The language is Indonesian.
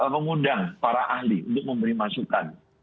mengundang para ahli untuk memberi masukan